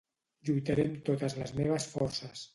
Lluitaré amb totes les meves forces